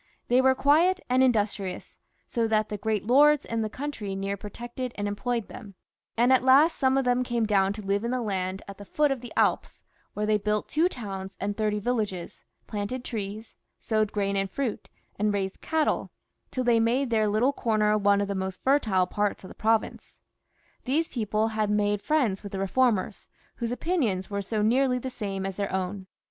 They were quiet and industrious, so that the great lords in the country near protected and employed them, and at last some of them came down to live in the land at the foot of the Alps, where they built two towns and thirty villages, planted trees, sowed grain and fruit, and brought up cattle, till they made their little comer one of the most fertile parts of the province. These people had made friends with the reformers, whose opinions were so nearly the same as their own.